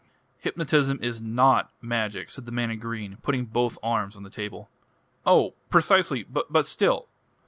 "Hypnotism is not magic," said the man in green, putting both arms on the table. "Oh, precisely! But still